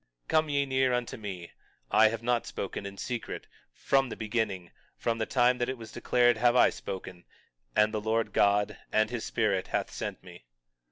20:16 Come ye near unto me; I have not spoken in secret; from the beginning, from the time that it was declared have I spoken; and the Lord God, and his Spirit, hath sent me.